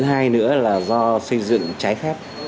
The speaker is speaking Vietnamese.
thứ ba nữa là do xây dựng trái phép